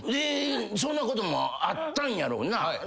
そんなこともあったんやろうな。